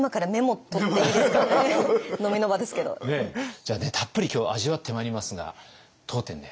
じゃあねたっぷり今日は味わってまいりますが当店ね